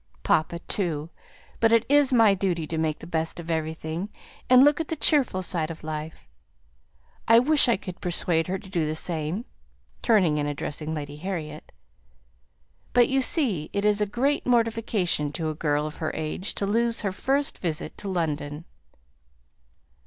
Papa too but it is my duty to make the best of everything, and look at the cheerful side of life. I wish I could persuade her to do the same" (turning and addressing Lady Harriet). "But, you see, it is a great mortification to a girl of her age to lose her first visit to London."